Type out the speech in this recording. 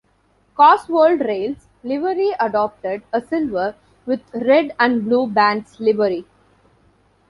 Cotswold Rail's livery adopted a silver, with red and blue bands livery.